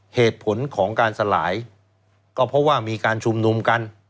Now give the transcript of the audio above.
เหตุผลของการสลายก็เพราะว่ามีการชุมนุมกัน